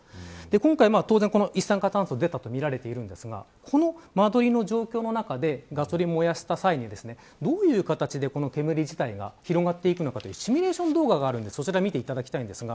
今回、当然、一酸化炭素が出たとみられていますがこの間取りの状況でガソリンを燃やした際にはどういう形で煙自体が広がっていくのかシミュレーション動画を見ていただきます。